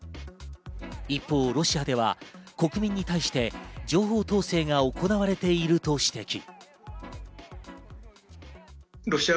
一方、ロシアでは国民に対して情報統制が行われていると指摘。